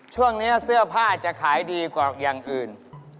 ช่วงนี้เสื้อผ้าจะขายดีกว่าอย่างอื่น